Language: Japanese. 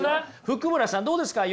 福村さんどうですか？